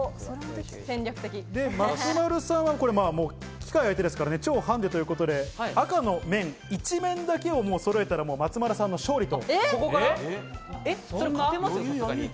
松丸さんは機械相手ですから超ハンデということで、赤の面１面だけをそろえたら松丸さんの勝利と。